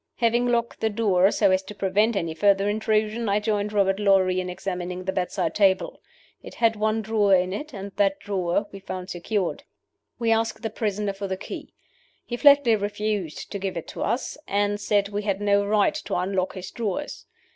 "Having locked the door, so as to prevent any further intrusion, I joined Robert Lorrie in examining the bedside table. It had one drawer in it, and that drawer we found secured. "We asked the prisoner for the key. "He flatly refused to give it to us, and said we had no right to unlock his drawers.